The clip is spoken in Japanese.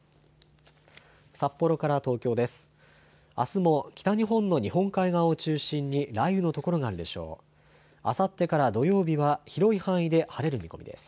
札幌から東京です。